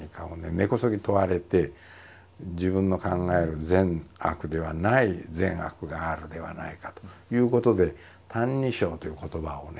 根こそぎ問われて自分の考える善悪ではない善悪があるではないかということで「歎異抄」という言葉をね